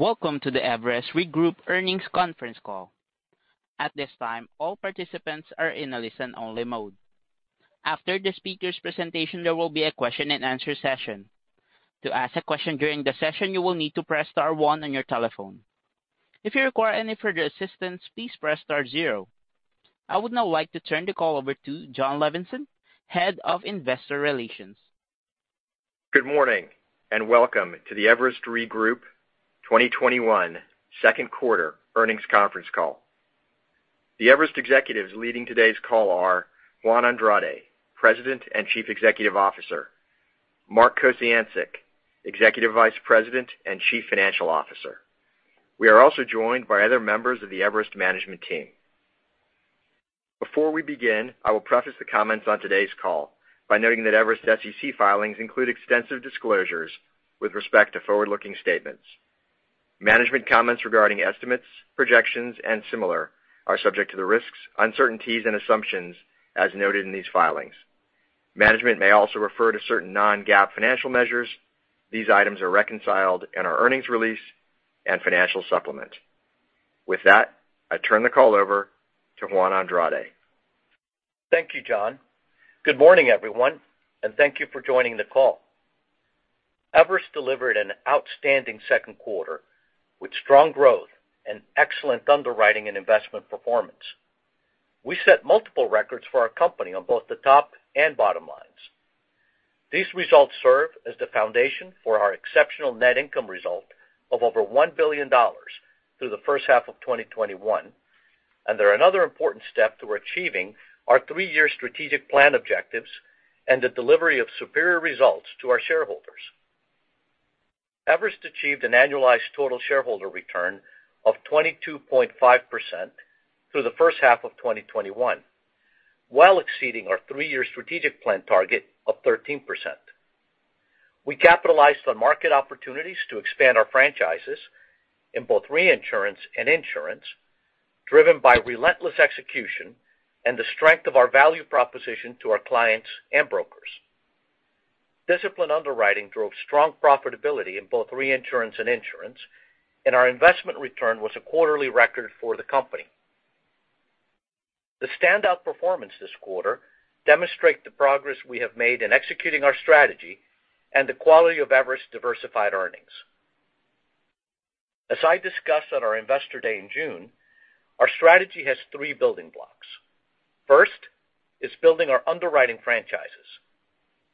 Welcome to the Everest Re Group Earnings Conference Call. At this time, all participants are in a listen-only mode. After the speaker's presentation, there will be a question-and-answer session. I would now like to turn the call over to Jon Levenson, Head of Investor Relations. Good morning, and welcome to the Everest Re Group 2021 second quarter earnings conference call. The Everest executives leading today's call are Juan Andrade, President and Chief Executive Officer, Mark Kociancic, Executive Vice President and Chief Financial Officer. We are also joined by other members of the Everest management team. Before we begin, I will preface the comments on today's call by noting that Everest SEC filings include extensive disclosures with respect to forward-looking statements. Management comments regarding estimates, projections, and similar are subject to the risks, uncertainties, and assumptions as noted in these filings. Management may also refer to certain non-GAAP financial measures. These items are reconciled in our earnings release and financial supplement. With that, I turn the call over to Juan Andrade. Thank you, Jon. Good morning, everyone, and thank you for joining the call. Everest delivered an outstanding second quarter with strong growth and excellent underwriting and investment performance. We set multiple records for our company on both the top and bottom lines. These results serve as the foundation for our exceptional net income result of over $1 billion through the first half of 2021, and they are another important step to achieving our three-year strategic plan objectives and the delivery of superior results to our shareholders. Everest achieved an annualized total shareholder return of 22.5% through the first half of 2021 while exceeding our three-year strategic plan target of 13%. We capitalized on market opportunities to expand our franchises in both reinsurance and insurance, driven by relentless execution and the strength of our value proposition to our clients and brokers. Disciplined underwriting drove strong profitability in both reinsurance and insurance. Our investment return was a quarterly record for the company. The standout performance this quarter demonstrate the progress we have made in executing our strategy and the quality of Everest diversified earnings. As I discussed at our investor day in June, our strategy has three building blocks. First is building our underwriting franchises.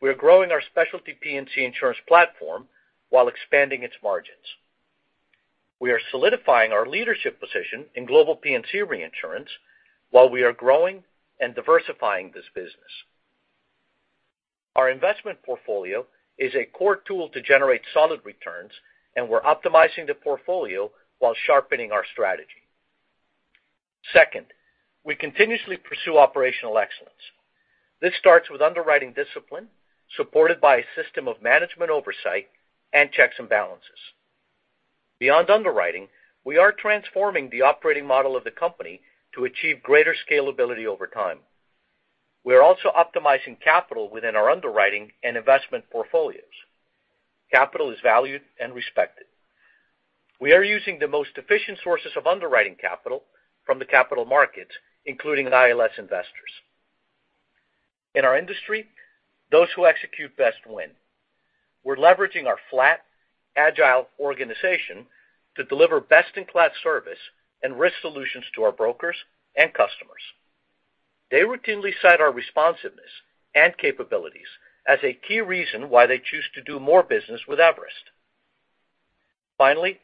We are growing our specialty P&C insurance platform while expanding its margins. We are solidifying our leadership position in global P&C reinsurance while we are growing and diversifying this business. Our investment portfolio is a core tool to generate solid returns. We're optimizing the portfolio while sharpening our strategy. Second, we continuously pursue operational excellence. This starts with underwriting discipline, supported by a system of management oversight and checks and balances. Beyond underwriting, we are transforming the operating model of the company to achieve greater scalability over time. We are also optimizing capital within our underwriting and investment portfolios. Capital is valued and respected. We are using the most efficient sources of underwriting capital from the capital markets, including ILS investors. In our industry, those who execute best win. We're leveraging our flat, agile organization to deliver best-in-class service and risk solutions to our brokers and customers. They routinely cite our responsiveness and capabilities as a key reason why they choose to do more business with Everest. Finally,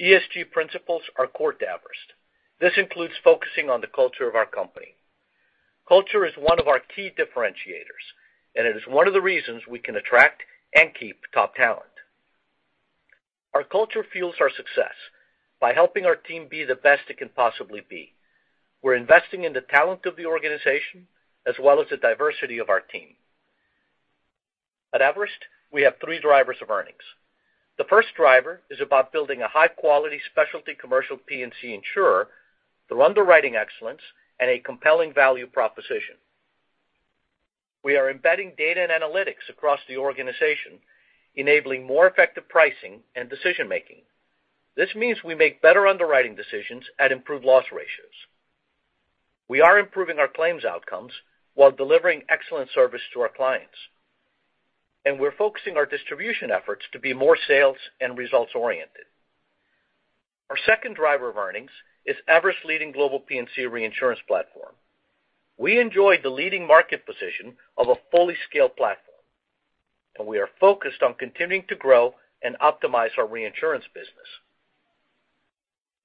ESG principles are core to Everest. This includes focusing on the culture of our company. Culture is one of our key differentiators, and it is one of the reasons we can attract and keep top talent. Our culture fuels our success by helping our team be the best it can possibly be. We're investing in the talent of the organization as well as the diversity of our team. At Everest, we have three drivers of earnings. The first driver is about building a high-quality specialty commercial P&C insurer through underwriting excellence and a compelling value proposition. We are embedding data and analytics across the organization, enabling more effective pricing and decision-making. This means we make better underwriting decisions at improved loss ratios. We are improving our claims outcomes while delivering excellent service to our clients. We're focusing our distribution efforts to be more sales and results-oriented. Our second driver of earnings is Everest's leading global P&C reinsurance platform. We enjoy the leading market position of a fully scaled platform, and we are focused on continuing to grow and optimize our reinsurance business.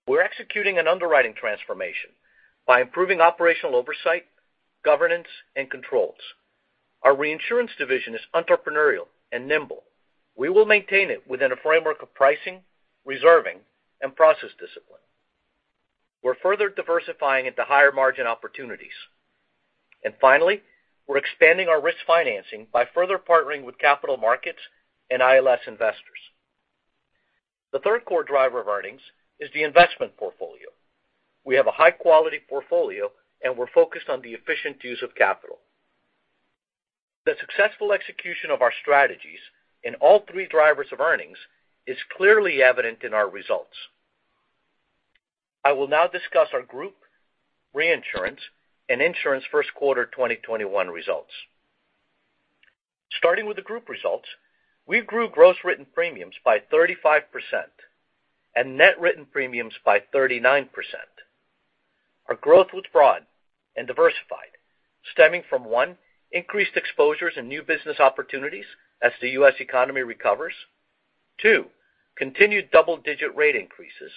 We're executing an underwriting transformation by improving operational oversight, governance, and controls. Our reinsurance division is entrepreneurial and nimble. We will maintain it within a framework of pricing, reserving, and process discipline. We're further diversifying into higher-margin opportunities. Finally, we're expanding our risk financing by further partnering with capital markets and ILS investors. The third core driver of earnings is the investment portfolio. We have a high-quality portfolio, and we're focused on the efficient use of capital. Successful execution of our strategies in all three drivers of earnings is clearly evident in our results. I will now discuss our group reinsurance and insurance first quarter 2021 results. Starting with the group results, we grew gross written premiums by 35% and net written premiums by 39%. Our growth was broad and diversified, stemming from one. increased exposures and new business opportunities as the U.S. economy recovers, two. continued double-digit rate increases,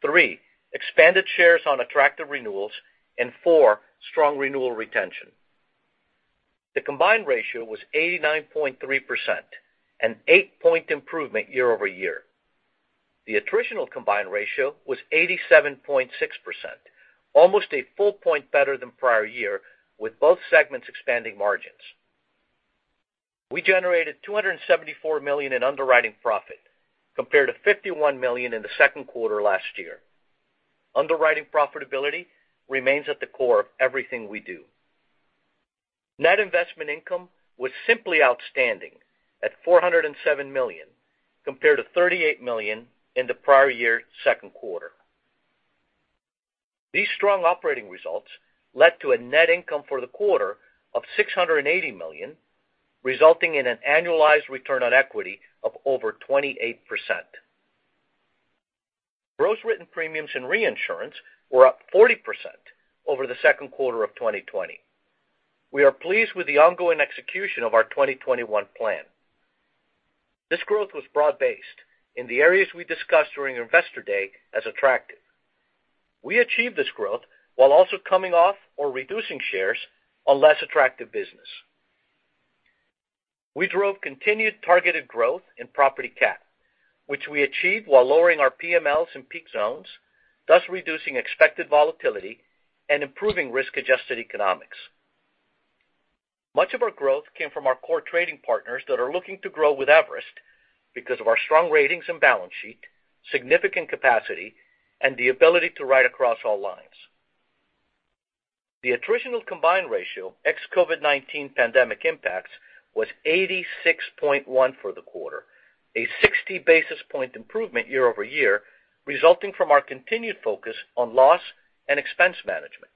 three. expanded shares on attractive renewals, and four. strong renewal retention. The combined ratio was 89.3%, an eight point improvement year-over-year. The attritional combined ratio was 87.6%, almost a full point better than prior year, with both segments expanding margins. We generated $274 million in underwriting profit, compared to $51 million in the second quarter last year. Underwriting profitability remains at the core of everything we do. Net investment income was simply outstanding at $407 million, compared to $38 million in the prior year second quarter. These strong operating results led to a net income for the quarter of $680 million, resulting in an annualized return on equity of over 28%. Gross written premiums in reinsurance were up 40% over the second quarter of 2020. We are pleased with the ongoing execution of our 2021 plan. This growth was broad-based in the areas we discussed during Investor Day as attractive. We achieved this growth while also coming off or reducing shares on less attractive business. We drove continued targeted growth in property cat, which we achieved while lowering our PMLs in peak zones, thus reducing expected volatility and improving risk-adjusted economics. Much of our growth came from our core trading partners that are looking to grow with Everest because of our strong ratings and balance sheet, significant capacity, and the ability to ride across all lines. The attritional combined ratio, ex-COVID-19 pandemic impacts, was 86.1 for the quarter, a 60-basis-point improvement year-over-year, resulting from our continued focus on loss and expense management.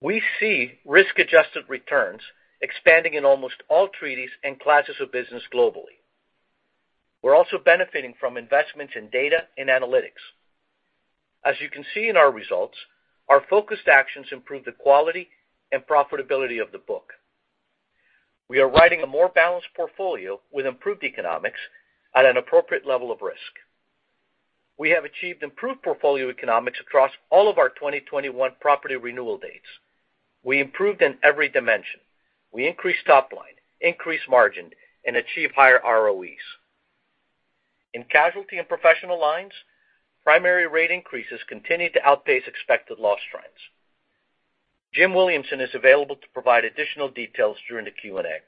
We see risk-adjusted returns expanding in almost all treaties and classes of business globally. We're also benefiting from investments in data and analytics. As you can see in our results, our focused actions improve the quality and profitability of the book. We are writing a more balanced portfolio with improved economics at an appropriate level of risk. We have achieved improved portfolio economics across all of our 2021 property renewal dates. We improved in every dimension. We increased top line, increased margin, and achieved higher ROEs. In casualty and professional lines, primary rate increases continued to outpace expected loss trends. Jim Williamson is available to provide additional details during the Q&A.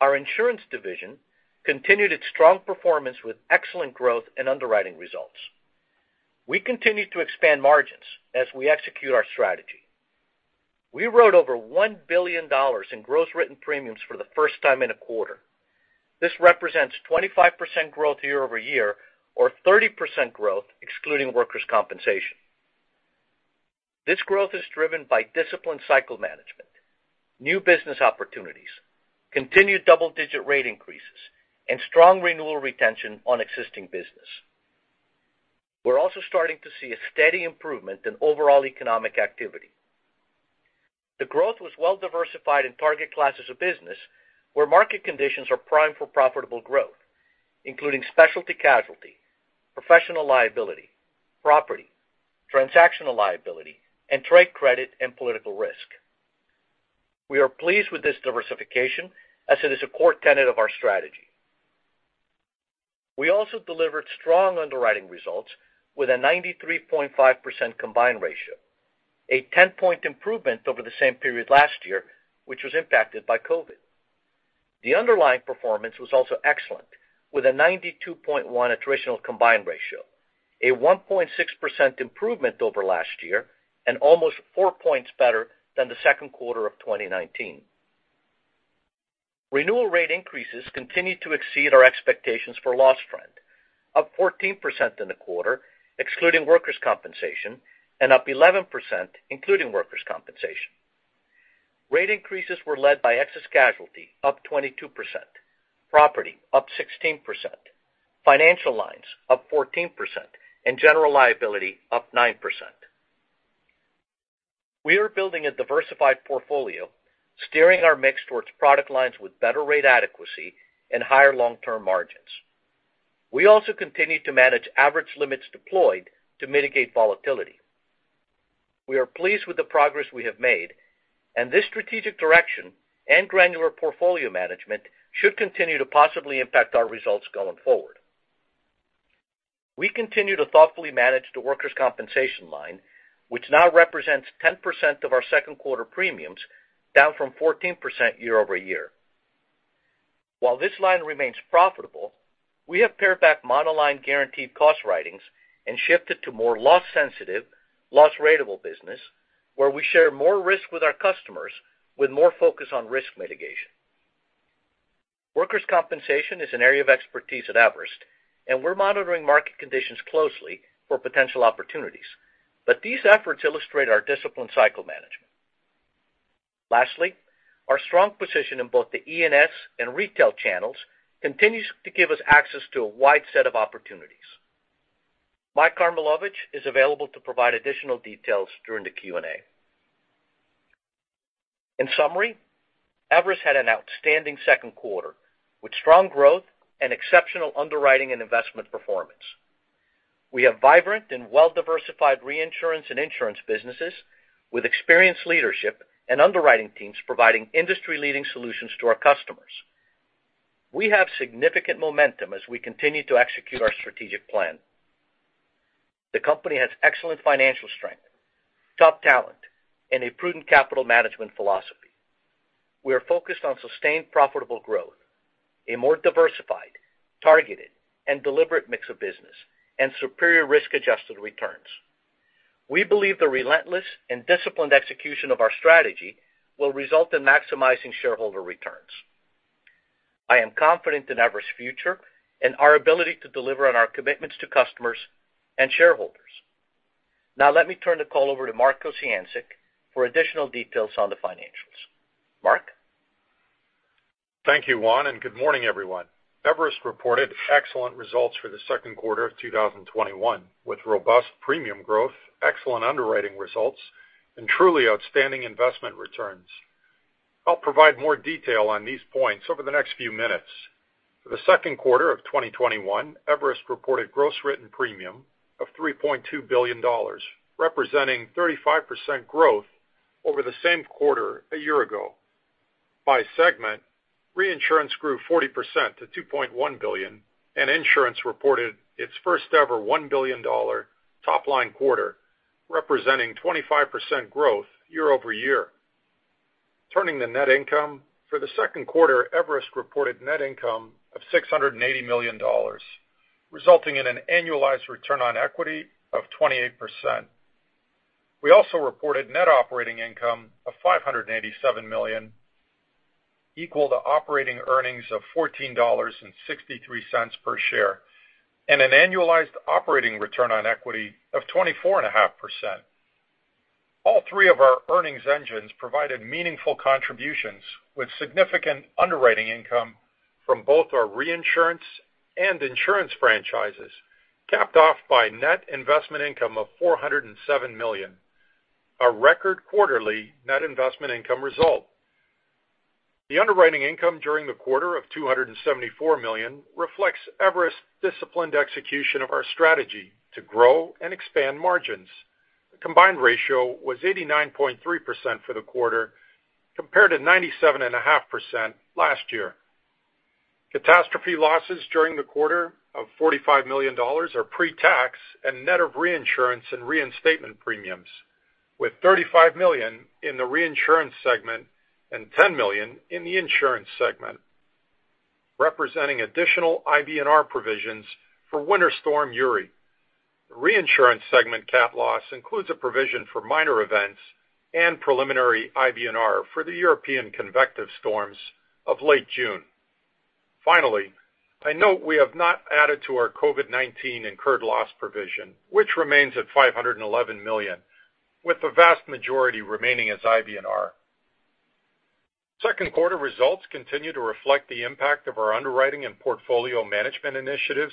Our insurance division continued its strong performance with excellent growth and underwriting results. We continue to expand margins as we execute our strategy. We wrote over $1 billion in gross written premiums for the first time in a quarter. This represents 25% growth year-over-year or 30% growth excluding workers' compensation. This growth is driven by disciplined cycle management, new business opportunities, continued double-digit rate increases, and strong renewal retention on existing business. We're also starting to see a steady improvement in overall economic activity. The growth was well-diversified in target classes of business where market conditions are primed for profitable growth, including specialty casualty, professional liability, property, transactional liability, and trade credit and political risk. We are pleased with this diversification as it is a core tenet of our strategy. We also delivered strong underwriting results with a 93.5% combined ratio, a 10-point improvement over the same period last year, which was impacted by COVID-19. The underlying performance was also excellent, with a 92.1 attritional combined ratio, a 1.6% improvement over last year, and almost four points better than the second quarter of 2019. Renewal rate increases continued to exceed our expectations for loss trend, up 14% in the quarter, excluding workers' compensation, and up 11%, including workers' compensation. Rate increases were led by excess casualty, up 22%, property, up 16%, financial lines, up 14%, and general liability, up 9%. We are building a diversified portfolio, steering our mix towards product lines with better rate adequacy and higher long-term margins. We also continue to manage average limits deployed to mitigate volatility. We are pleased with the progress we have made, and this strategic direction and granular portfolio management should continue to possibly impact our results going forward. We continue to thoughtfully manage the workers' compensation line, which now represents 10% of our second-quarter premiums, down from 14% year-over-year. While this line remains profitable, we have pared back monoline guaranteed cost writings and shifted to more loss-sensitive, loss-ratable business, where we share more risk with our customers with more focus on risk mitigation. Workers' compensation is an area of expertise at Everest, and we're monitoring market conditions closely for potential opportunities. These efforts illustrate our disciplined cycle management. Lastly, our strong position in both the E&S and retail channels continues to give us access to a wide set of opportunities. Mike Karmilowicz is available to provide additional details during the Q&A. In summary, Everest had an outstanding second quarter, with strong growth and exceptional underwriting and investment performance. We have vibrant and well-diversified reinsurance and insurance businesses with experienced leadership and underwriting teams providing industry-leading solutions to our customers. We have significant momentum as we continue to execute our strategic plan. The company has excellent financial strength, top talent, and a prudent capital management philosophy. We are focused on sustained profitable growth, a more diversified, targeted, and deliberate mix of business, and superior risk-adjusted returns. We believe the relentless and disciplined execution of our strategy will result in maximizing shareholder returns. I am confident in Everest's future and our ability to deliver on our commitments to customers and shareholders. Now let me turn the call over to Mark Kociancic for additional details on the financials. Mark? Thank you, Juan, and good morning, everyone. Everest reported excellent results for the second quarter of 2021, with robust premium growth, excellent underwriting results, and truly outstanding investment returns. I'll provide more detail on these points over the next few minutes. For the second quarter of 2021, Everest reported gross written premium of $3.2 billion, representing 35% growth over the same quarter a year ago. By segment, reinsurance grew 40% to $2.1 billion, and insurance reported its first-ever $1 billion top-line quarter, representing 25% growth year-over-year. Turning to net income, for the second quarter, Everest reported net income of $680 million, resulting in an annualized return on equity of 28%. We also reported net operating income of $587 million, equal to operating earnings of $14.63 per share, and an annualized operating return on equity of 24.5%. All three of our earnings engines provided meaningful contributions, with significant underwriting income from both our reinsurance and insurance franchises, capped off by net investment income of $407 million, a record quarterly net investment income result. The underwriting income during the quarter of $274 million reflects Everest's disciplined execution of our strategy to grow and expand margins. The combined ratio was 89.3% for the quarter, compared to 97.5% last year. Catastrophe losses during the quarter of $45 million are pre-tax and net of reinsurance and reinstatement premiums, with $35 million in the reinsurance segment and $10 million in the insurance segment, representing additional IBNR provisions for Winter Storm Uri. The reinsurance segment cat loss includes a provision for minor events and preliminary IBNR for the European convective storms of late June. I note we have not added to our COVID-19 incurred loss provision, which remains at $511 million, with the vast majority remaining as IBNR. Second quarter results continue to reflect the impact of our underwriting and portfolio management initiatives.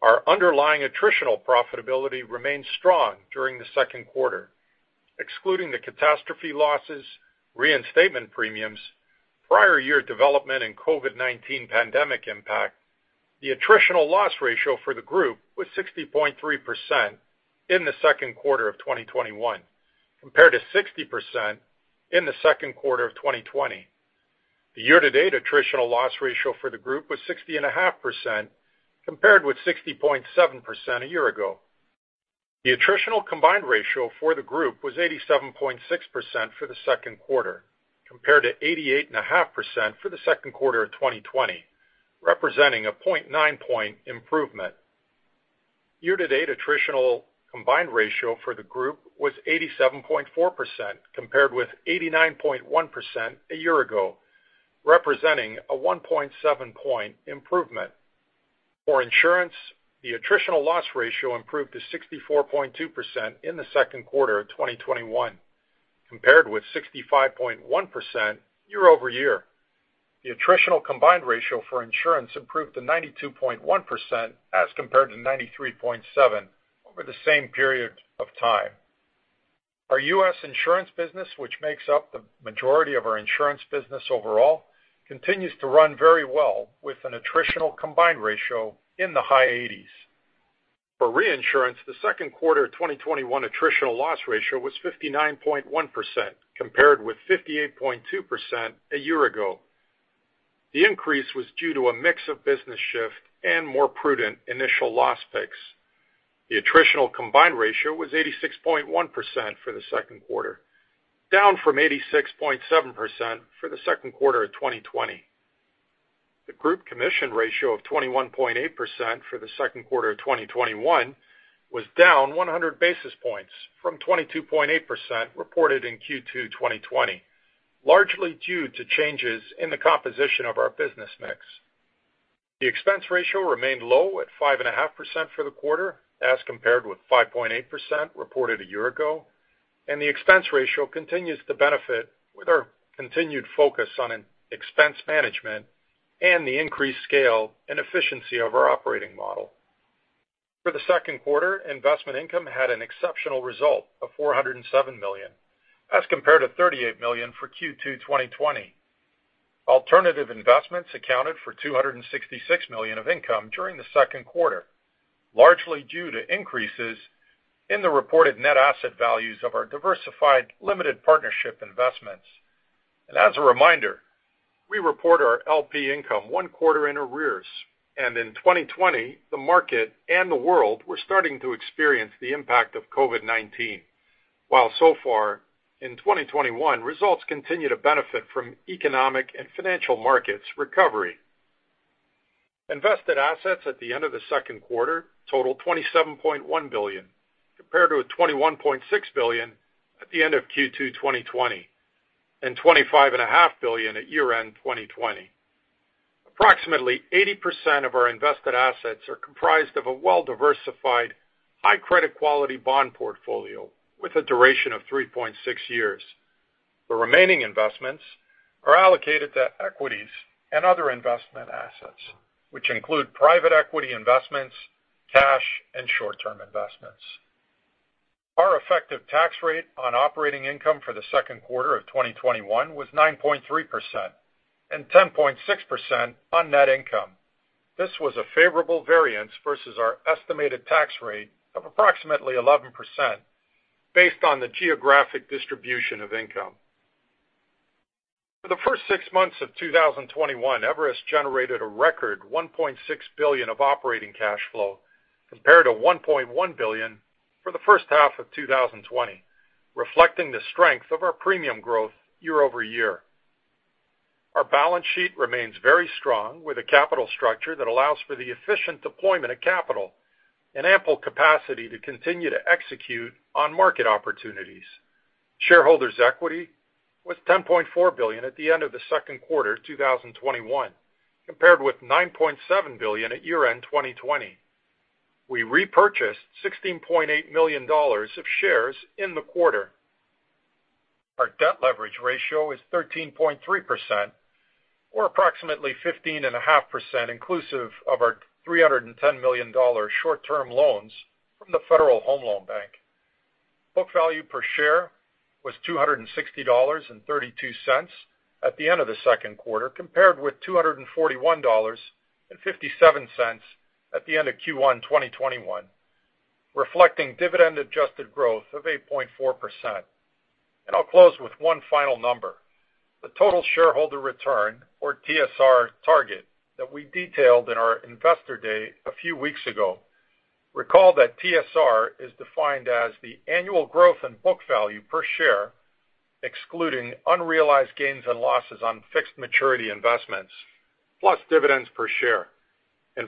Our underlying attritional profitability remained strong during the second quarter. Excluding the catastrophe losses, reinstatement premiums, prior year development, and COVID-19 pandemic impact, the attritional loss ratio for the group was 60.3% in the second quarter of 2021, compared to 60% in the second quarter of 2020. The year-to-date attritional loss ratio for the group was 60.5%, compared with 60.7% a year ago. The attritional combined ratio for the group was 87.6% for the second quarter, compared to 88.5% for the second quarter of 2020, representing a 0.9 point improvement. Year to date, attritional combined ratio for the group was 87.4%, compared with 89.1% a year ago, representing a 1.7 point improvement. For insurance, the attritional loss ratio improved to 64.2% in the second quarter of 2021, compared with 65.1% year-over-year. The attritional combined ratio for insurance improved to 92.1%, as compared to 93.7% over the same period of time. Our U.S. insurance business, which makes up the majority of our insurance business overall, continues to run very well, with an attritional combined ratio in the high 80s. For reinsurance, the second quarter 2021 attritional loss ratio was 59.1%, compared with 58.2% a year ago. The increase was due to a mix of business shift and more prudent initial loss picks. The attritional combined ratio was 86.1% for the second quarter, down from 86.7% for the second quarter of 2020. The group commission ratio of 21.8% for the second quarter of 2021 was down 100 basis points from 22.8% reported in Q2 2020, largely due to changes in the composition of our business mix. The expense ratio remained low at 5.5% for the quarter as compared with 5.8% reported a year ago, and the expense ratio continues to benefit with our continued focus on expense management and the increased scale and efficiency of our operating model. For the second quarter, investment income had an exceptional result of $407 million as compared to $38 million for Q2 2020. Alternative investments accounted for $266 million of income during the second quarter, largely due to increases in the reported net asset values of our diversified limited partnership investments. As a reminder, we report our LP income one quarter in arrears. In 2020, the market and the world were starting to experience the impact of COVID-19. So far in 2021, results continue to benefit from economic and financial markets recovery. Invested assets at the end of the second quarter totaled $27.1 billion, compared to a $21.6 billion at the end of Q2 2020 and $25.5 billion at year-end 2020. Approximately 80% of our invested assets are comprised of a well-diversified, high credit quality bond portfolio with a duration of 3.6 years. The remaining investments are allocated to equities and other investment assets, which include private equity investments, cash, and short-term investments. Our effective tax rate on operating income for the second quarter of 2021 was 9.3% and 10.6% on net income. This was a favorable variance versus our estimated tax rate of approximately 11% based on the geographic distribution of income. For the first six months of 2021, Everest generated a record $1.6 billion of operating cash flow compared to $1.1 billion for the first half of 2020, reflecting the strength of our premium growth year-over-year. Our balance sheet remains very strong with a capital structure that allows for the efficient deployment of capital and ample capacity to continue to execute on market opportunities. Shareholders' equity was $10.4 billion at the end of the second quarter 2021, compared with $9.7 billion at year-end 2020. We repurchased $16.8 million of shares in the quarter. Our debt leverage ratio is 13.3%, or approximately 15.5% inclusive of our $310 million short-term loans from the Federal Home Loan Bank. Book value per share was $260.32 at the end of the second quarter, compared with $241.57 at the end of Q1 2021, reflecting dividend-adjusted growth of 8.4%. I'll close with one final number, the total shareholder return or TSR target that we detailed in our investor day a few weeks ago. Recall that TSR is defined as the annual growth in book value per share, excluding unrealized gains and losses on fixed maturity investments, plus dividends per share.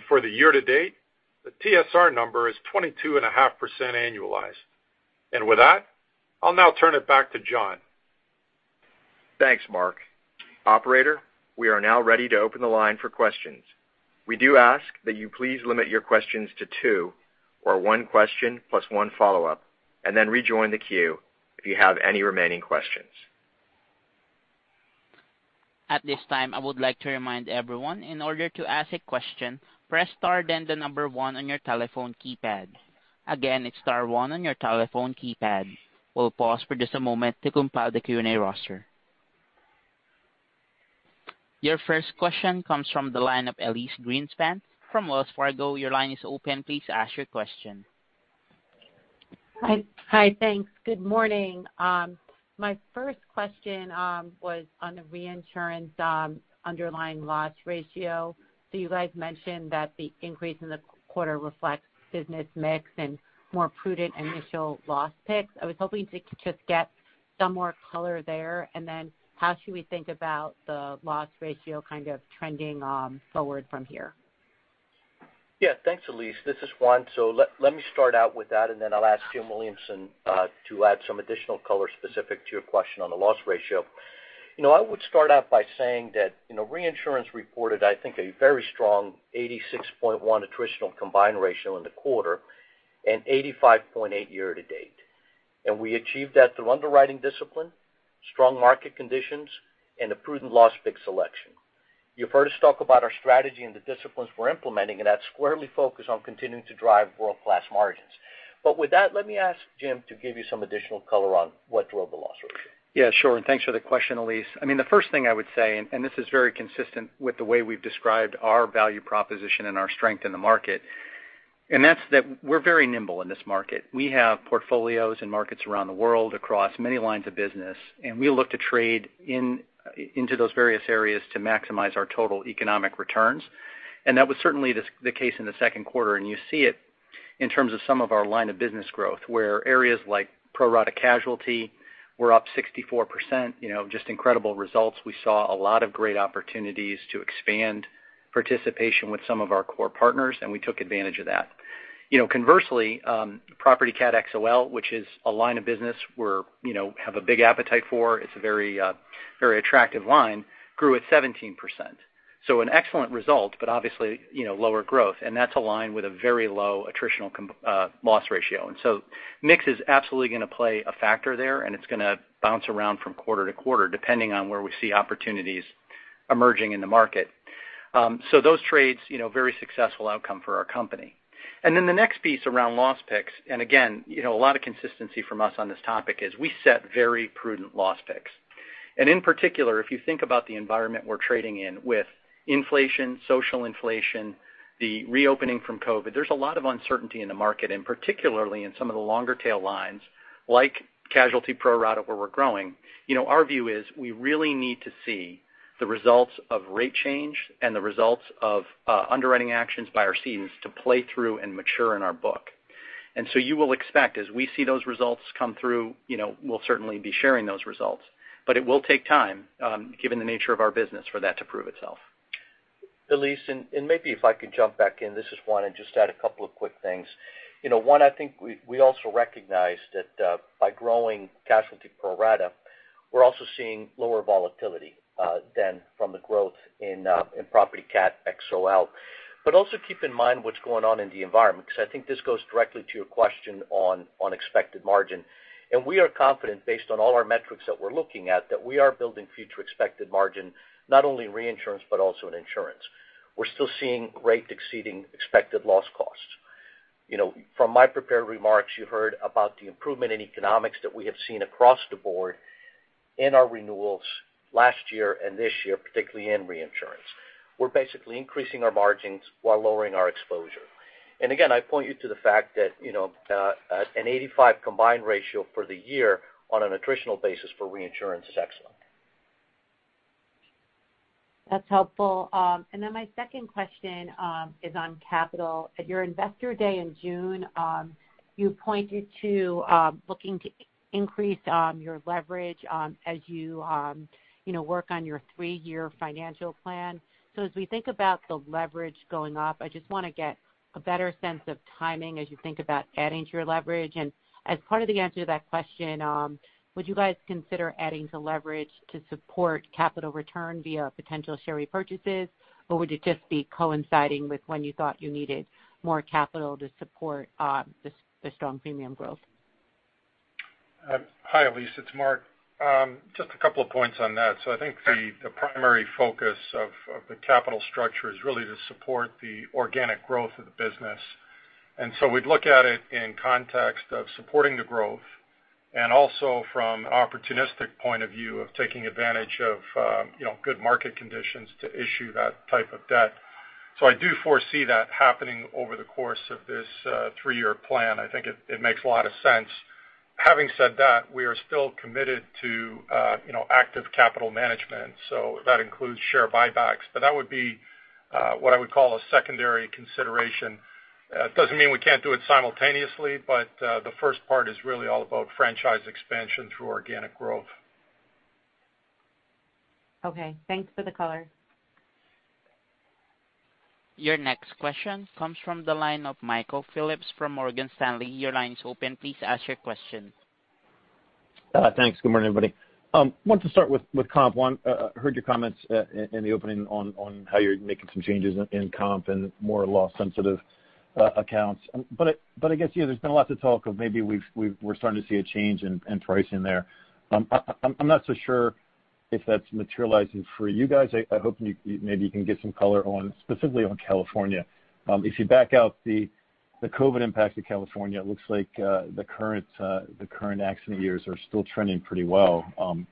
For the year to date, the TSR number is 22.5% annualized. With that, I'll now turn it back to Jon. Thanks, Mark. Operator, we are now ready to open the line for questions. We do ask that you please limit your questions to two, or one question plus one follow-up, and then rejoin the queue if you have any remaining questions. At this time, I would like to remind everyone, in order to ask a question, press star then the number one on your telephone keypad. Again, it's star one on your telephone keypad. We'll pause for just a moment to compile the Q&A roster. Your first question comes from the line of Elyse Greenspan from Wells Fargo. Your line is open. Please ask your question. Hi. Thanks. Good morning. My first question was on the reinsurance underlying loss ratio. You guys mentioned that the increase in the quarter reflects business mix and more prudent initial loss picks. I was hoping to just get some more color there. How should we think about the loss ratio kind of trending forward from here? Yeah. Thanks, Elyse. This is Juan. Let me start out with that, and then I'll ask Jim Williamson to add some additional color specific to your question on the loss ratio. I would start out by saying that reinsurance reported, I think, a very strong 86.1 attritional combined ratio in the quarter and 85.8 year-to-date. We achieved that through underwriting discipline, strong market conditions, and a prudent loss pick selection. You've heard us talk about our strategy and the disciplines we're implementing, and that's squarely focused on continuing to drive world-class margins. With that, let me ask Jim to give you some additional color on what drove the loss ratio. Yeah, sure. Thanks for the question, Elyse Greenspan. The first thing I would say, this is very consistent with the way we've described our value proposition and our strength in the market, that's that we're very nimble in this market. We have portfolios in markets around the world across many lines of business, we look to trade into those various areas to maximize our total economic returns. That was certainly the case in the second quarter, you see it in terms of some of our line of business growth, where areas like pro rata casualty were up 64%. Just incredible results. We saw a lot of great opportunities to expand participation with some of our core partners, we took advantage of that. Conversely, property cat XL, which is a line of business we have a big appetite for, it's a very attractive line, grew at 17%. An excellent result, but obviously lower growth, and that's a line with a very low attritional loss ratio. Mix is absolutely going to play a factor there, and it's going to bounce around from quarter to quarter, depending on where we see opportunities emerging in the market. Those trades, very successful outcome for our company. The next piece around loss picks, and again, a lot of consistency from us on this topic is we set very prudent loss picks. In particular, if you think about the environment we're trading in with inflation, social inflation, the reopening from COVID-19, there's a lot of uncertainty in the market, and particularly in some of the longer tail lines like casualty pro rata, where we're growing. Our view is we really need to see the results of rate change and the results of underwriting actions by our teams to play through and mature in our book. You will expect as we see those results come through, we'll certainly be sharing those results. It will take time, given the nature of our business, for that to prove itself. Elyse, and maybe if I could jump back in. This is Juan, and just add a couple of quick things. One, I think we also recognize that by growing pro rata casualty, we're also seeing lower volatility than from the growth in property cat XL. Also keep in mind what's going on in the environment, because I think this goes directly to your question on expected margin. We are confident based on all our metrics that we're looking at, that we are building future expected margin, not only in reinsurance, but also in insurance. We're still seeing rate exceeding expected loss costs. From my prepared remarks, you heard about the improvement in economics that we have seen across the board in our renewals last year and this year, particularly in reinsurance. We're basically increasing our margins while lowering our exposure. Again, I point you to the fact that an 85 combined ratio for the year on an attritional basis for reinsurance is excellent. That's helpful. My second question is on capital. At your investor day in June, you pointed to looking to increase your leverage as you work on your three year financial plan. As we think about the leverage going up, I just want to get a better sense of timing as you think about adding to your leverage. As part of the answer to that question, would you guys consider adding to leverage to support capital return via potential share repurchases, or would it just be coinciding with when you thought you needed more capital to support the strong premium growth? Hi, Elyse, it's Mark Kociancic. Just a couple of points on that. I think the primary focus of the capital structure is really to support the organic growth of the business. We'd look at it in context of supporting the growth and also from an opportunistic point of view of taking advantage of good market conditions to issue that type of debt. I do foresee that happening over the course of this three-year plan. I think it makes a lot of sense. Having said that, we are still committed to active capital management. That includes share buybacks, but that would be what I would call a secondary consideration. It doesn't mean we can't do it simultaneously, but the first part is really all about franchise expansion through organic growth. Okay, thanks for the color. Your next question comes from the line of Michael Phillips from Morgan Stanley. Your line is open. Please ask your question. Thanks. Good morning, everybody. Wanted to start with comp. Heard your comments in the opening on how you're making some changes in comp and more loss-sensitive accounts. I guess there's been a lot of talk of maybe we're starting to see a change in pricing there. I'm not so sure if that's materializing for you guys. I hope maybe you can give some color specifically on California. If you back out the COVID impact to California, it looks like the current accident years are still trending pretty well.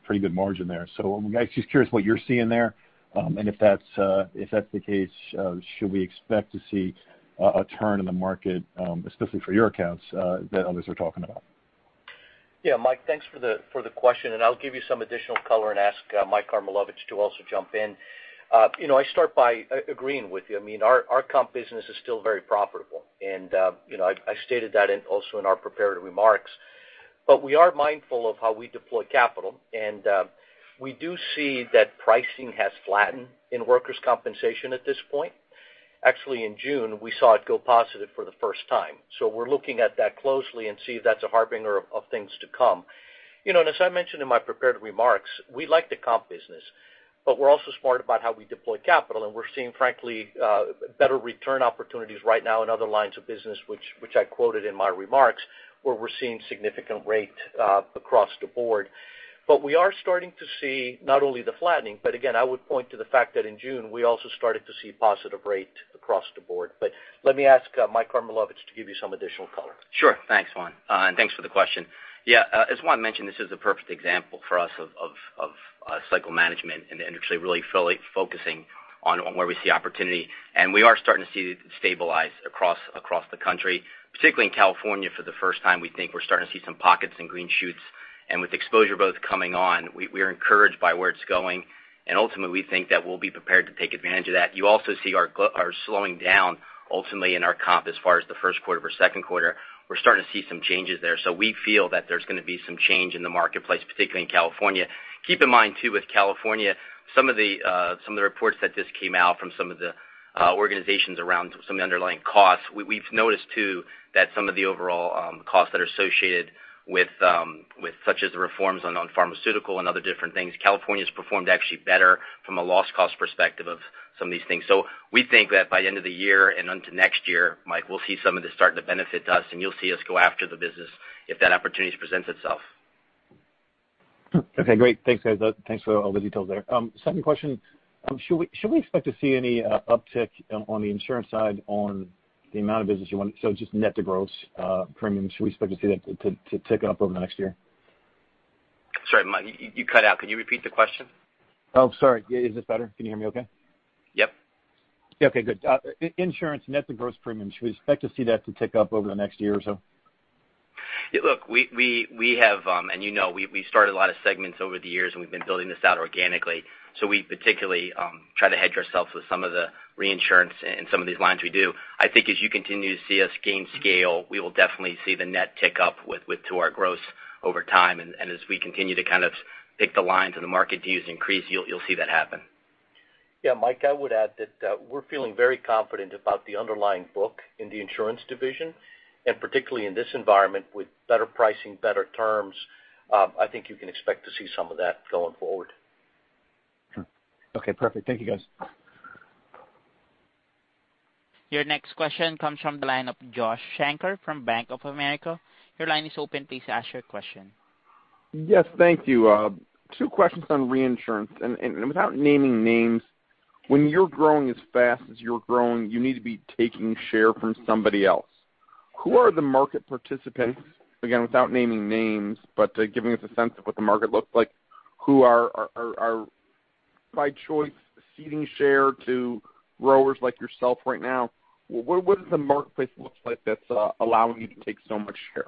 Pretty good margin there. I'm just curious what you're seeing there, and if that's the case, should we expect to see a turn in the market, especially for your accounts that others are talking about? Mike, thanks for the question. I'll give you some additional color and ask Mike Karmilowicz to also jump in. I start by agreeing with you. Our comp business is still very profitable, and I stated that also in our prepared remarks. We are mindful of how we deploy capital, and we do see that pricing has flattened in workers' compensation at this point. Actually, in June, we saw it go positive for the first time. We're looking at that closely and see if that's a harbinger of things to come. As I mentioned in my prepared remarks, we like the comp business, but we're also smart about how we deploy capital, and we're seeing, frankly, better return opportunities right now in other lines of business, which I quoted in my remarks, where we're seeing significant rate across the board. We are starting to see not only the flattening, but again, I would point to the fact that in June, we also started to see positive rate across the board. Let me ask Mike Karmilowicz to give you some additional color. Sure. Thanks, Juan, and thanks for the question. Yeah, as Juan mentioned, this is a perfect example for us of cycle management in the industry, really focusing on where we see opportunity. We are starting to see it stabilize across the country, particularly in California for the first time. We think we're starting to see some pockets and green shoots. With exposure both coming on, we are encouraged by where it's going, and ultimately, we think that we'll be prepared to take advantage of that. You also see our slowing down ultimately in our comp as far as the first quarter versus second quarter. We're starting to see some changes there. We feel that there's going to be some change in the marketplace, particularly in California. Keep in mind too, with California, some of the reports that just came out from some of the organizations around some of the underlying costs. We've noticed too that some of the overall costs that are associated with such as the reforms on pharmaceutical and other different things, California's performed actually better from a loss cost perspective of some of these things. So we think that by the end of the year and into next year, Mike, we'll see some of this starting to benefit us, and you'll see us go after the business if that opportunity presents itself. Okay, great. Thanks, guys. Thanks for all the details there. Second question, should we expect to see any uptick on the insurance side on the amount of business you want? Just net to gross premiums, should we expect to see that tick up over the next year? Sorry, Mike, you cut out. Can you repeat the question? Oh, sorry. Is this better? Can you hear me okay? Yep. Okay, good. Insurance net to gross premiums, should we expect to see that to tick up over the next year or so? Look, you know, we've started a lot of segments over the years, and we've been building this out organically. We particularly try to hedge ourselves with some of the reinsurance and some of these lines we do. I think as you continue to see us gain scale, we will definitely see the net tick up to our gross over time. As we continue to kind of pick the lines and the market deals increase, you'll see that happen. Yeah, Mike, I would add that we're feeling very confident about the underlying book in the insurance division, and particularly in this environment with better pricing, better terms, I think you can expect to see some of that going forward. Okay, perfect. Thank you, guys. Your next question comes from the line of Joshua Shanker from Bank of America. Your line is open. Please ask your question. Yes, thank you. Two questions on reinsurance. Without naming names, when you're growing as fast as you're growing, you need to be taking share from somebody else. Who are the market participants? Again, without naming names, but giving us a sense of what the market looks like, who are by choice ceding share to growers like yourself right now? What does the marketplace look like that's allowing you to take so much share?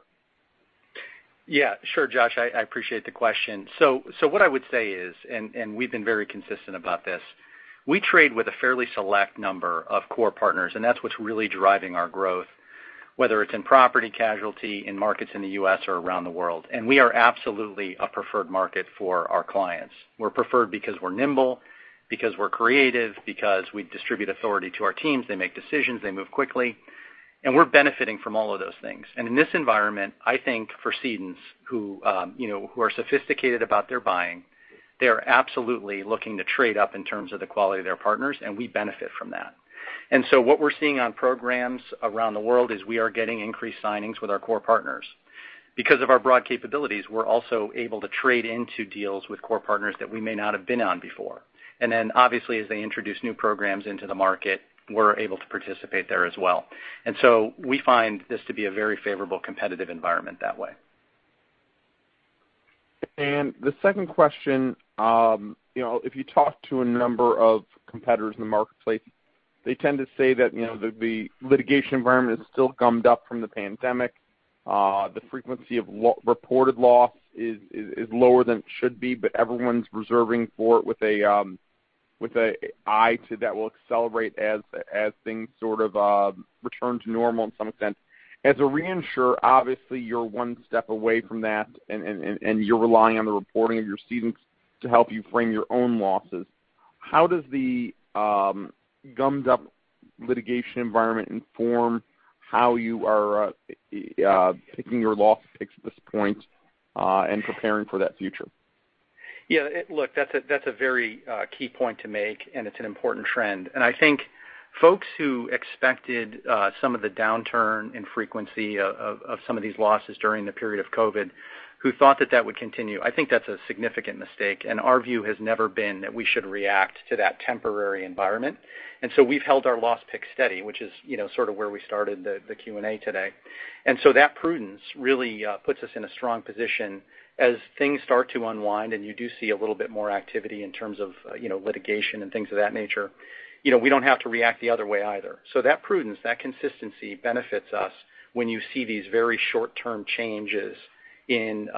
Yeah, sure, Josh, I appreciate the question. What I would say is, and we've been very consistent about this, we trade with a fairly select number of core partners, and that's what's really driving our growth, whether it's in property casualty, in markets in the U.S. or around the world. We are absolutely a preferred market for our clients. We're preferred because we're nimble, because we're creative, because we distribute authority to our teams. They make decisions, they move quickly, and we're benefiting from all of those things. In this environment, I think for cedents who are sophisticated about their buying, they are absolutely looking to trade up in terms of the quality of their partners, and we benefit from that. What we're seeing on programs around the world is we are getting increased signings with our core partners. Because of our broad capabilities, we're also able to trade into deals with core partners that we may not have been on before. Obviously, as they introduce new programs into the market, we're able to participate there as well. We find this to be a very favorable competitive environment that way. The second question, if you talk to a number of competitors in the marketplace, they tend to say that the litigation environment is still gummed up from the pandemic. The frequency of reported loss is lower than it should be, but everyone's reserving for it with an eye to that will accelerate as things sort of return to normal in some extent. As a reinsurer, obviously you're one step away from that, and you're relying on the reporting of your cedents to help you frame your own losses. How does the gummed up litigation environment inform how you are picking your loss picks at this point, and preparing for that future? Yeah, look, that's a very key point to make, and it's an important trend. I think folks who expected some of the downturn in frequency of some of these losses during the period of COVID, who thought that that would continue, I think that's a significant mistake, and our view has never been that we should react to that temporary environment. We've held our loss pick steady, which is sort of where we started the Q&A today. That prudence really puts us in a strong position as things start to unwind and you do see a little bit more activity in terms of litigation and things of that nature. We don't have to react the other way either. That prudence, that consistency benefits us when you see these very short-term changes in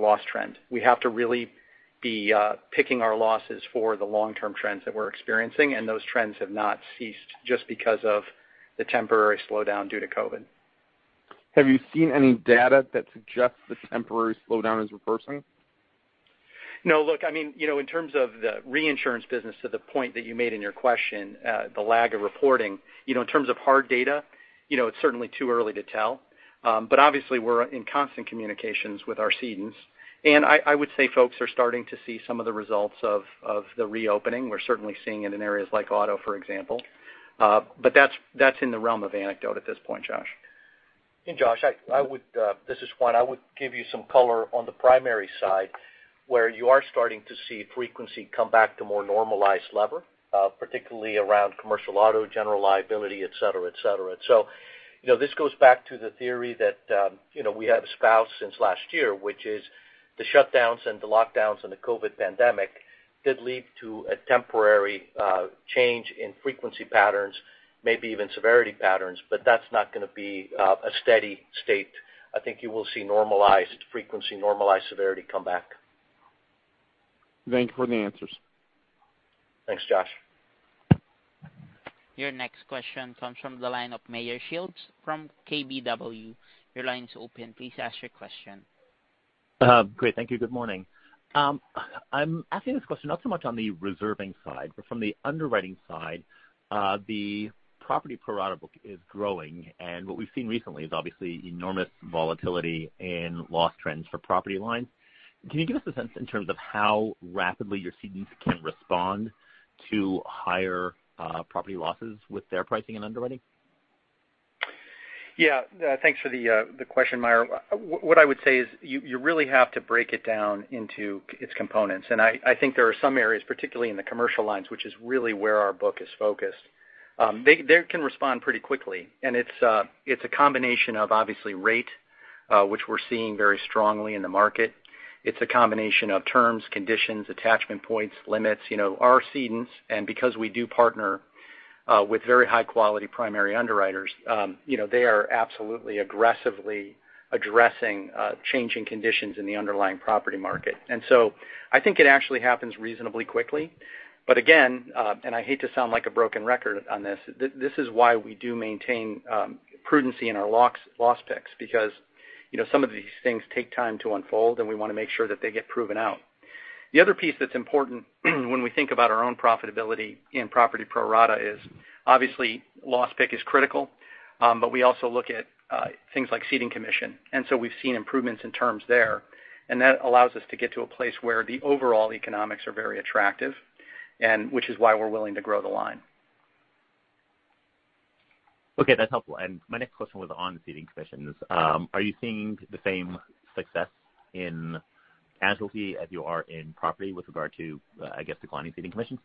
loss trends. We have to really be picking our losses for the long-term trends that we're experiencing, and those trends have not ceased just because of the temporary slowdown due to COVID. Have you seen any data that suggests this temporary slowdown is reversing? No. Look, in terms of the reinsurance business to the point that you made in your question, the lag of reporting, in terms of hard data, it's certainly too early to tell. Obviously we're in constant communications with our cedents. I would say folks are starting to see some of the results of the reopening. We're certainly seeing it in areas like auto, for example. That's in the realm of anecdote at this point, Josh. Hey, Josh. This is Juan. I would give you some color on the primary side, where you are starting to see frequency come back to more normalized lever, particularly around commercial auto, general liability, et cetera. This goes back to the theory that we have espoused since last year, which is the shutdowns and the lockdowns and the COVID pandemic did lead to a temporary change in frequency patterns, maybe even severity patterns, but that's not going to be a steady state. I think you will see normalized frequency, normalized severity come back Thank you for the answers. Thanks, Joshua. Your next question comes from the line of Meyer Shields from KBW. Your line is open. Please ask your question. Great. Thank you. Good morning. I'm asking this question not so much on the reserving side, but from the underwriting side. The property pro rata book is growing, and what we've seen recently is obviously enormous volatility in loss trends for property lines. Can you give us a sense in terms of how rapidly your cedents can respond to higher property losses with their pricing and underwriting? Thanks for the question, Meyer. What I would say is you really have to break it down into its components. I think there are some areas, particularly in the commercial lines, which is really where our book is focused. They can respond pretty quickly, and it's a combination of obviously rate, which we're seeing very strongly in the market. It's a combination of terms, conditions, attachment points, limits. Our cedents, and because we do partner with very high-quality primary underwriters, they are absolutely aggressively addressing changing conditions in the underlying property market. I think it actually happens reasonably quickly. Again, and I hate to sound like a broken record on this is why we do maintain prudency in our loss picks because some of these things take time to unfold, and we want to make sure that they get proven out. The other piece that's important when we think about our own profitability in property pro rata is obviously loss pick is critical, but we also look at things like ceding commission. We've seen improvements in terms there, and that allows us to get to a place where the overall economics are very attractive, and which is why we're willing to grow the line. Okay. That's helpful. My next question was on the ceding commissions. Are you seeing the same success in casualty as you are in property with regard to, I guess, declining ceding commissions?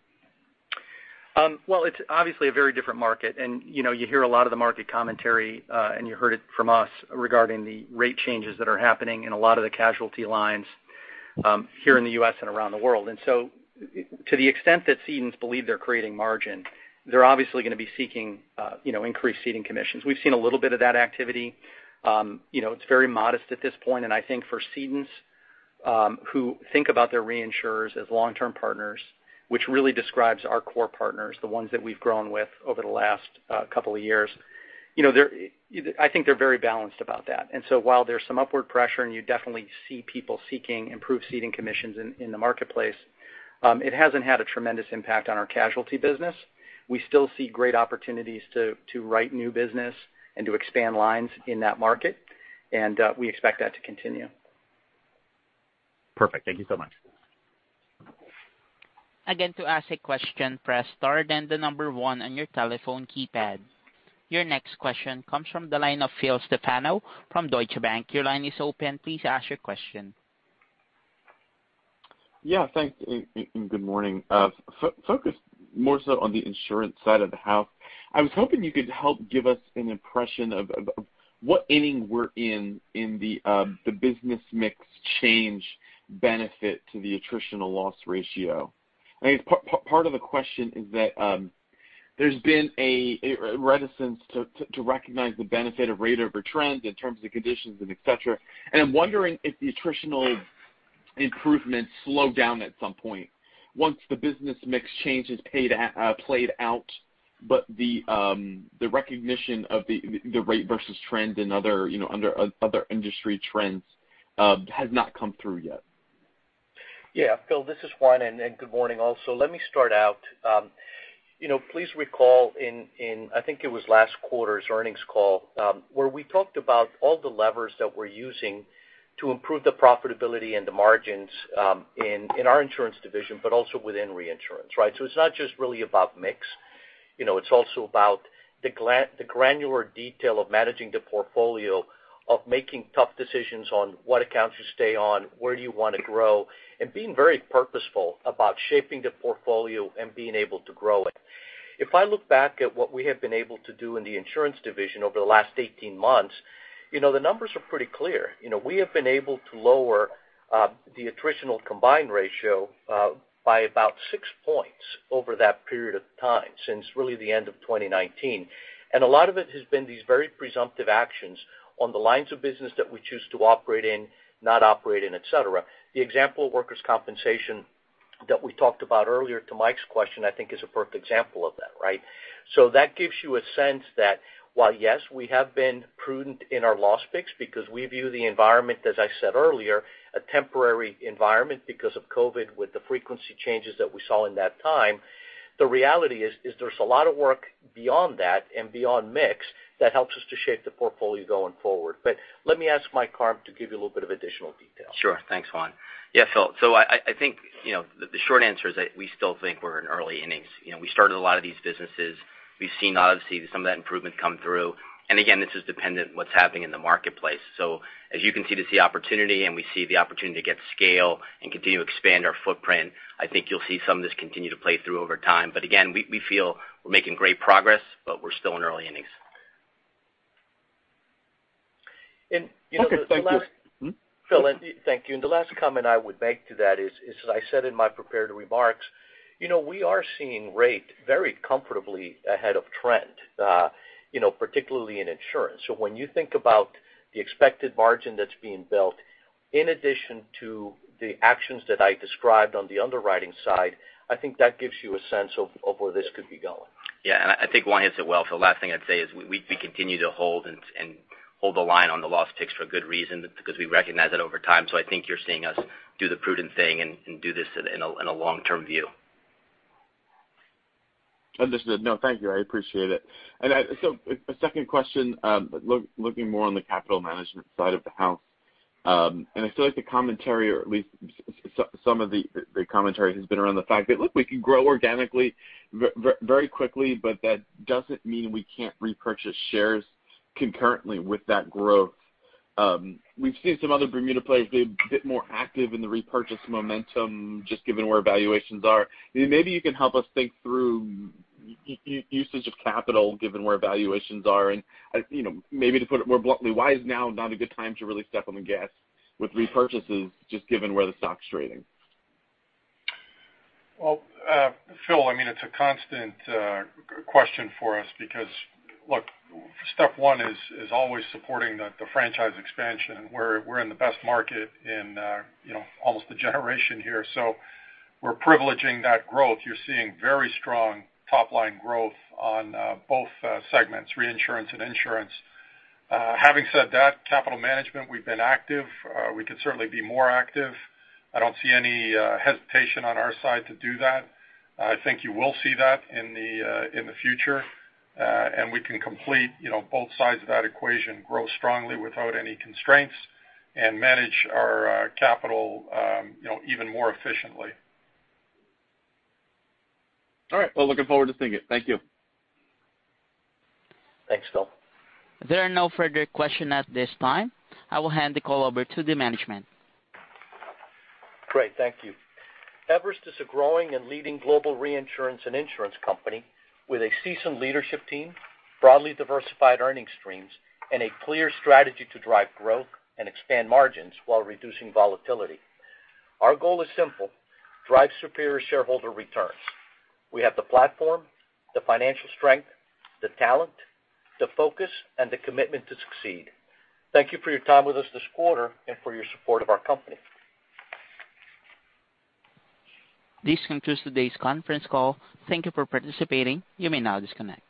Well, it's obviously a very different market, and you hear a lot of the market commentary, and you heard it from us regarding the rate changes that are happening in a lot of the casualty lines here in the U.S. and around the world. To the extent that cedents believe they're creating margin, they're obviously going to be seeking increased ceding commissions. We've seen a little bit of that activity. It's very modest at this point, and I think for cedents who think about their reinsurers as long-term partners, which really describes our core partners, the ones that we've grown with over the last couple of years, I think they're very balanced about that. While there's some upward pressure, and you definitely see people seeking improved ceding commissions in the marketplace, it hasn't had a tremendous impact on our casualty business. We still see great opportunities to write new business and to expand lines in that market. We expect that to continue. Perfect. Thank you so much. Your next question comes from the line of Philip Stefano from Deutsche Bank. Your line is open. Please ask your question. Yeah. Thanks, good morning. Focus more so on the insurance side of the house. I was hoping you could help give us an impression of what inning we're in the business mix change benefit to the attritional loss ratio. I guess part of the question is that there's been a reticence to recognize the benefit of rate over trend in terms of conditions and et cetera. I'm wondering if the attritional improvements slow down at some point once the business mix change is played out, but the recognition of the rate versus trend and other industry trends has not come through yet. Yeah. Philip, this is Juan Andrade, and good morning also. Let me start out. Please recall in, I think it was last quarter's earnings call, where we talked about all the levers that we're using to improve the profitability and the margins in our insurance division, but also within reinsurance, right? It's not just really about mix. It's also about the granular detail of managing the portfolio, of making tough decisions on what accounts you stay on, where do you want to grow, and being very purposeful about shaping the portfolio and being able to grow it. If I look back at what we have been able to do in the insurance division over the last 18 months, the numbers are pretty clear. We have been able to lower the attritional combined ratio by about 6 points over that period of time, since really the end of 2019. A lot of it has been these very presumptive actions on the lines of business that we choose to operate in, not operate in, et cetera. The example of workers' compensation that we talked about earlier to Mike Karmilowicz's question, I think is a perfect example of that, right? That gives you a sense that while yes, we have been prudent in our loss picks because we view the environment, as I said earlier, a temporary environment because of COVID with the frequency changes that we saw in that time, the reality is there's a lot of work beyond that and beyond mix that helps us to shape the portfolio going forward. Let me ask Mike Karmilowicz to give you a little bit of additional detail. Sure. Thanks, Juan. Yeah, Phil, I think the short answer is that we still think we're in early innings. We started a lot of these businesses. We've seen obviously some of that improvement come through. Again, this is dependent what's happening in the marketplace. As you continue to see opportunity and we see the opportunity to get scale and continue to expand our footprint, I think you'll see some of this continue to play through over time. Again, we feel we're making great progress, but we're still in early innings. Okay. Thank you. Philip, thank you. The last comment I would make to that is, as I said in my prepared remarks, we are seeing rate very comfortably ahead of trend. Particularly in insurance. When you think about the expected margin that's being built, in addition to the actions that I described on the underwriting side, I think that gives you a sense of where this could be going. Yeah. I think Juan hits it well. The last thing I'd say is we continue to hold the line on the loss picks for a good reason, because we recognize that over time. I think you're seeing us do the prudent thing and do this in a long-term view. Understood. No, thank you. I appreciate it. A second question, looking more on the capital management side of the house. I feel like the commentary, or at least some of the commentary, has been around the fact that, look, we can grow organically very quickly, but that doesn't mean we can't repurchase shares concurrently with that growth. We've seen some other Bermuda players be a bit more active in the repurchase momentum, just given where valuations are. Maybe you can help us think through usage of capital, given where valuations are, and maybe to put it more bluntly, why is now not a good time to really step on the gas with repurchases, just given where the stock's trading? Well, Philip, it's a constant question for us because, look, step 1 is always supporting the franchise expansion. We're in the best market in almost a generation here. We're privileging that growth. You're seeing very strong top-line growth on both segments, reinsurance and insurance. Having said that, capital management, we've been active. We could certainly be more active. I don't see any hesitation on our side to do that. I think you will see that in the future. We can complete both sides of that equation, grow strongly without any constraints, and manage our capital even more efficiently. All right. Well, looking forward to seeing it. Thank you. Thanks, Philip. There are no further questions at this time. I will hand the call over to the management. Great. Thank you. Everest is a growing and leading global reinsurance and insurance company with a seasoned leadership team, broadly diversified earning streams, and a clear strategy to drive growth and expand margins while reducing volatility. Our goal is simple: drive superior shareholder returns. We have the platform, the financial strength, the talent, the focus, and the commitment to succeed. Thank you for your time with us this quarter and for your support of our company. This concludes today's conference call. Thank Thank you for participating. You may now disconnect.